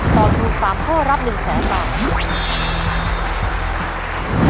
ตอบถูก๓ข้อรับ๑แสนบาท